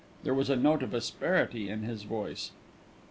There was a note of asperity in his voice.